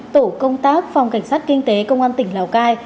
tổ công tác phòng cảnh sát kinh tế công an tỉnh lào cai